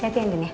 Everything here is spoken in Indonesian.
siap ya ndun ya